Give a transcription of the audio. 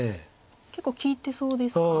結構利いてそうですか？